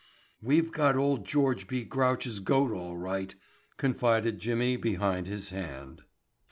"We've got old George B. Grouch's goat all right," confided Jimmy behind his hand.